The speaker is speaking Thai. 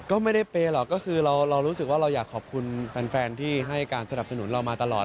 ก็ไม่ได้เปย์หรอกก็คือเรารู้สึกว่าเราอยากขอบคุณแฟนที่ให้การสนับสนุนเรามาตลอด